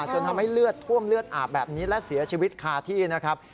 จนทำให้เลือดท่วมเลือดอาบแบบนี้และเสียชีวิตคาที่นะครับ